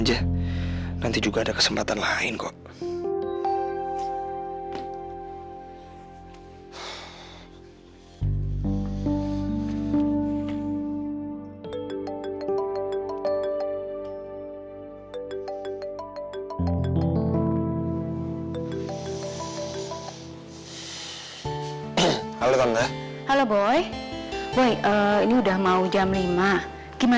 aku kasih cm white